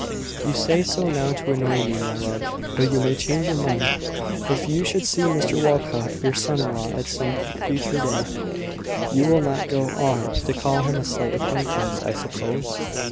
"You say so now to annoy me, my love: but you may change your mind. If you should see Mr Walcot your son in law at some future day, you will not go on to call him a slight acquaintance, I suppose?"